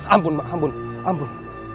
ampun mak ampun ampun